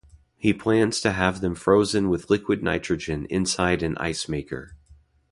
He plans to have them frozen with liquid nitrogen inside an icemaker.